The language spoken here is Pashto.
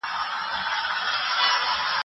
ته ولي سبا ته فکر کوې؟